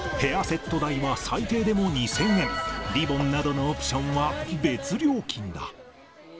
ヘアセット代は最低でも２０００円、リボンなどのオプションは別料金だ。